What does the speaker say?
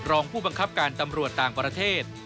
รองผู้บังคับการตำรวจต่างประเทศ